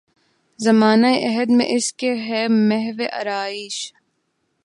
زمانہ عہد میں اس کے ہے محو آرایش